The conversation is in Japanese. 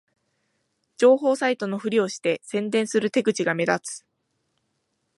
情報サイトのふりをして宣伝する手口が目立つ